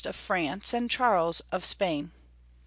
of France, and Charles * of Spain.